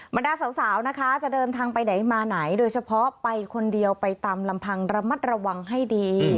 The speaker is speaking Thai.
บรรดาสาวนะคะจะเดินทางไปไหนมาไหนโดยเฉพาะไปคนเดียวไปตามลำพังระมัดระวังให้ดี